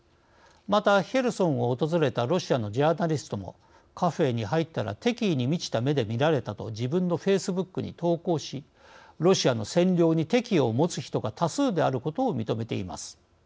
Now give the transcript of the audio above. またヘルソンを訪れたロシアのジャーナリストもカフェに入ったら敵意に満ちた目で見られたと自分のフェイスブックに投稿しロシアの占領に敵意を持つ人が多数であることを認めています。